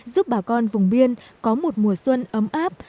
giúp bà con vùng biên có một mùa xuân ấm áp